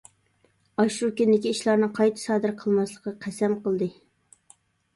ئاشۇ كۈندىكى ئىشلارنى قايتا سادىر قىلماسلىققا قەسەم قىلدى.